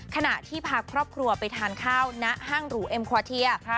ขณะที่พาครอบครัวไปทานข้าวณห้างหรูเอ็มควาเทีย